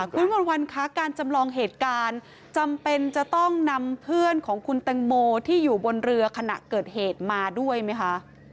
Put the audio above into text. คุณวันวันคะการจำลองเหตุการณ์จำเป็นจะต้องนำเพื่อนของคุณแตงโมที่อยู่บนเรือขณะเกิดเหตุมาด้วยไหมคะ